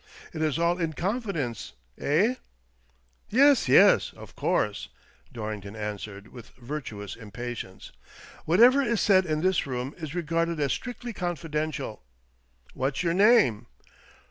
It is all in confidence, eh?" "Yes, yes, of course," Dorrington answered, with virtuous impatience. " Whatever is said in this room is regarded as strictly confidential. What's your name?"